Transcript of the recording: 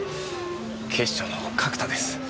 警視庁の角田です。